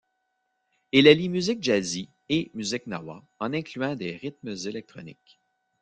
Il allie musique jazzy et musique gnawa, en incluant des rythmes électroniques.